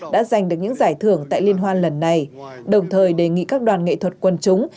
đã giành được những giải thưởng tại liên hoan lần này đồng thời đề nghị các đoàn nghệ thuật quần chúng